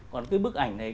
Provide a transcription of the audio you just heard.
còn cái bức ảnh này